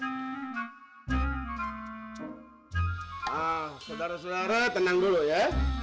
ah saudara saudara tenang dulu ya